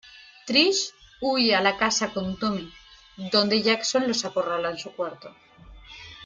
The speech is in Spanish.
Trish huye a la casa con Tommy, donde Jason los acorrala en su cuarto.